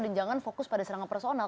dan jangan fokus pada serangan personal